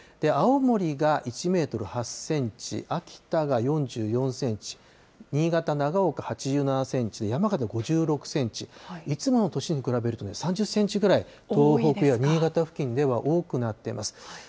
青森が１メートル８センチ、秋田が４４センチ、新潟・長岡８７センチ、山形５６センチ、いつもの年に比べると、３０センチぐらい東北や新潟付近では多くなっています。